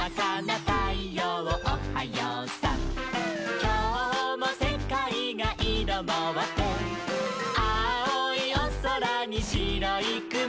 「きょうもせかいがイロもって」「あおいおそらにしろいくも」